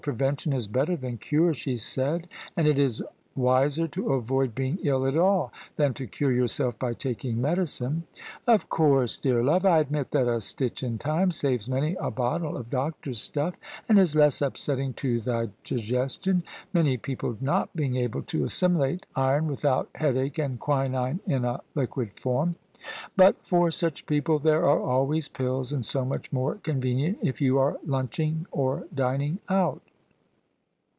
" Prevention is bet ter than cure," she said :" and it is wiser to avoid being ill at all, than to cure yourself by taking medicine." "Of course, dear love, I admit that a stitch in time saves many a bottle of doctor's stuff and is less upsetting to the digestion, many people not being able to assimilate iron without headache and quinine in a liquid form. But THE SUBJECTION for such people there are always pills, and so much more convenient if you are lunching or dining out."